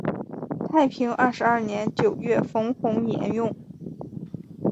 太平二十二年九月冯弘沿用。